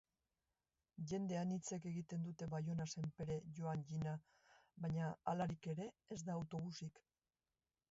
Jende anitzek egiten du Baiona-Senpere joan-jina, baina halarik ere ez da autobusik.